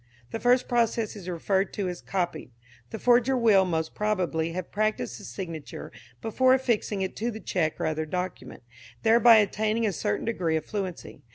The first process is referred to as copied. The forger will, most probably, have practised the signature before affixing it to the cheque or other document, thereby attaining a certain degree of fluency.